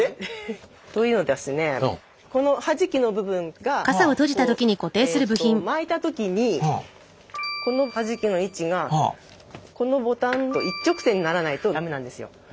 このはじきの部分がこうえっと巻いた時にこのはじきの位置がこのボタンと一直線にならないと駄目なんですよ。